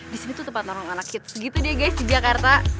di sini tuh tempat narong anak hits gitu deh guys di jakarta